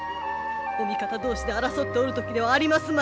お味方同士で争っておる時ではありますまい。